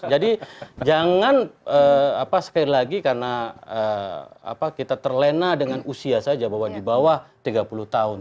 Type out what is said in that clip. jadi jangan sekali lagi karena kita terlena dengan usia saja bahwa di bawah tiga puluh tahun